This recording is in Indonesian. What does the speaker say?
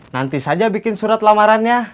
nanti saja bikin surat lamarannya